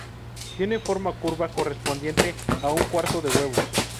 Tiene forma curva, correspondiente a un cuarto de huevo.